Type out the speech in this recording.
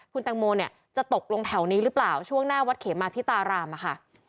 คุณแตงโมเนี่ยจะตกลงแถวนี้หรือเปล่าช่วงหน้าวัดเขมาพิตารามค่ะ